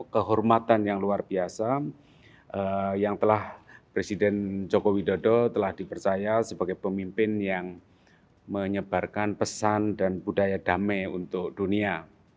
kehormatan yang luar biasa yang telah presiden joko widodo telah dipercaya sebagai pemimpin yang menyebarkan pesan dan budaya damai untuk dunia